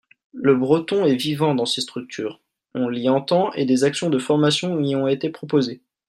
Le breton est vivant dans ces structures, on l'y entend et des actions de formation y ont été proposées.